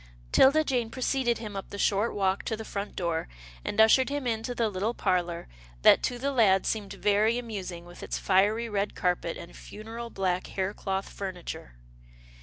'Tilda Jane preceded him up the short walk to the front door, and ushered him into the little parlour, that to the lad seemed very amusing with its fiery red carpet, and funereal black haircloth furniture.